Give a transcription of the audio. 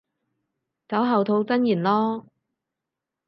酒後吐真言囉